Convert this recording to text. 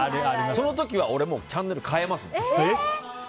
その時は俺チャンネル変えますね。